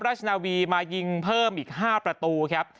ราชนาวีมายิงเพิ่มอีก๕ประตูครับ